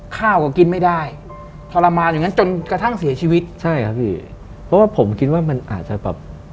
ก็คิดว่ามันอาจจะแบบ